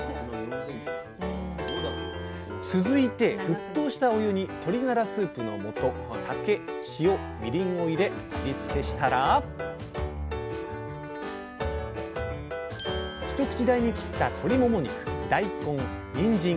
続いて沸騰したお湯に鶏がらスープのもと酒塩みりんを入れ味付けしたら一口大に切った鶏もも肉大根にんじん